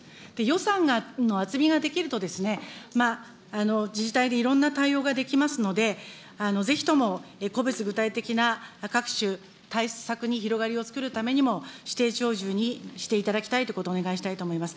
予算の厚みができると、自治体でいろんな対応ができますので、ぜひとも個別具体的な各種対策に広がりを作るためにも、指定鳥獣にしていただきたいということ、お願いしたいと思います。